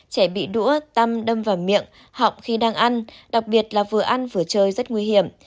trẻ bị đũa tâm đâm vào miệng họng khi đang ăn đặc biệt là vừa ăn vừa chơi rất nguy hiểm